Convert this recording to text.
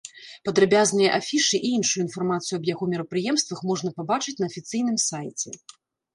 Падрабязныя афішы і іншую інфармацыю аб яго мерапрыемствах можна пабачыць на афіцыйным сайце.